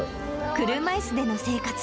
車いすでの生活。